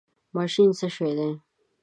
ماشین څه شی دی؟